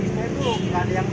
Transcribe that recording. itu belum ada yang tahu